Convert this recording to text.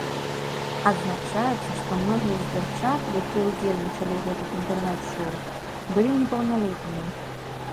Адзначаецца, што многія з дзяўчат, якія ўдзельнічалі ў гэтых інтэрнэт-шоў, былі непаўналетнімі.